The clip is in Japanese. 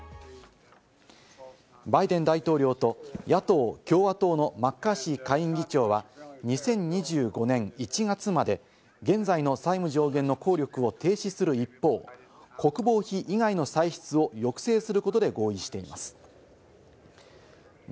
バイデン大統領と野党・共和党のマッカーシー下院議長は２０２５年１月まで現在の債務上限の効力を停止する一方、国防費以外の歳出を抑制することで合意しています。